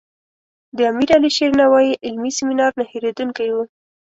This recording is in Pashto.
د امیر علي شیر نوایي علمي سیمینار نه هیریدونکی و.